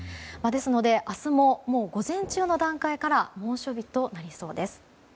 ですので、明日も午前中の段階から猛暑日となりそうです。